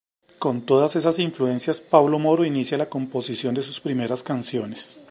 Con todas esas influencias, Pablo Moro inicia la composición de sus primeras canciones.